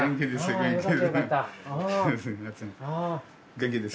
元気です。